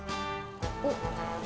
あっ。